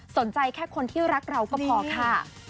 แค่คนที่รักเราก็พอค่ะ